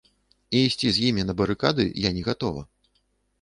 І ісці з імі на барыкады я не гатова.